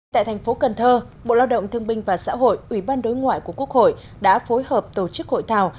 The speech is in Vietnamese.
tại thành phố cần thơ bộ lao động thương binh và xã hội ủy ban đối ngoại của quốc hội đã phối hợp tổ chức hội thảo